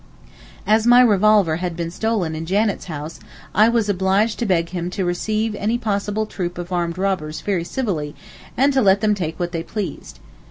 As my revolver had been stolen in Janet's house, I was obliged to beg him to receive any possible troop of armed robbers very civilly, and to let them take what they pleased.